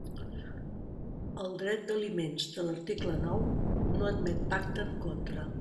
El dret d'aliments de l'article nou no admet pacte en contra.